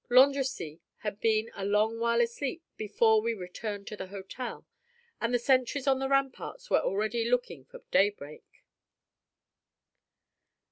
Landrecies had been a long while asleep before we returned to the hotel; and the sentries on the ramparts were already looking for daybreak.